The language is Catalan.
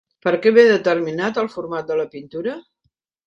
Per què ve determinat el format de la pintura?